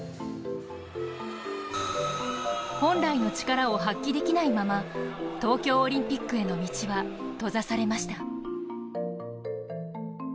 本来の力を発揮できないまま東京オリンピックへの道は閉ざされました。